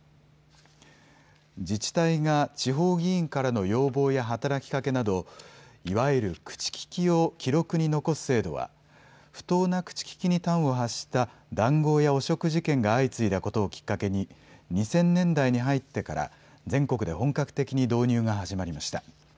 自治体が地方議員からの要望や働きかけなど、いわゆる口利きを記録に残す制度は、不当な口利きに端を発した談合や汚職事件が相次いだことをきっかけに、２０００年代に入ってから、全国で本格的に導入が始まりました。